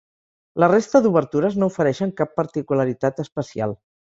La resta d'obertures no ofereixen cap particularitat especial.